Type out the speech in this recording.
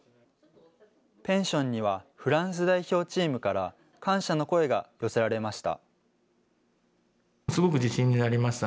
ペンションにはフランス代表チームから、感謝の声が寄せられました。